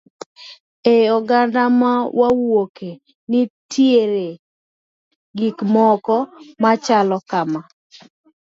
E oganda ma wawuoke nitie gik moko machalo kama.